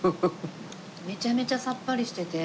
めちゃめちゃさっぱりしてて。